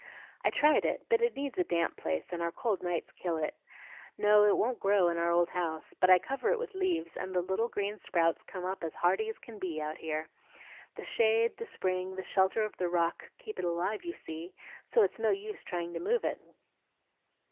"I tried it, but it needs a damp place, and our cold nights kill it. No, it won't grow in our old house; but I cover it with leaves, and the little green sprouts come up as hearty as can be out here. The shade, the spring, the shelter of the rock, keep it alive, you see, so it's no use trying to move it."